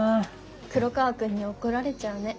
黒川くんに怒られちゃうね。